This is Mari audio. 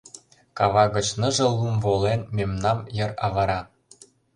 Кава гыч ныжыл лум Волен, мемнам йыр авыра.